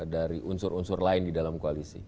dari unsur unsur lain di dalam koalisi